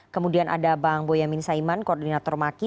kemudian ada bang boyamin saiman koordinator maki